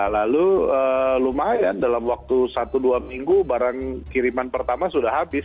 lalu lumayan dalam waktu satu dua minggu barang kiriman pertama sudah habis